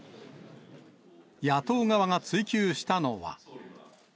野党側が追及したのは。